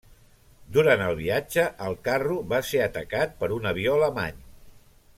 Durant el viatge, el carro va ser atacat per un avió alemany.